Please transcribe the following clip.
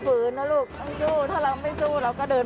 ตอนนั้นแย่ไม่เวิร์คเลย